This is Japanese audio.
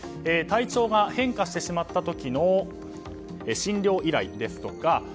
体調が変化してしまった時の診療依頼ですとか